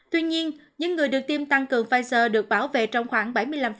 tuy nhiên những người được tiêm tăng cường pfizer được bảo vệ trong khoảng bảy mươi năm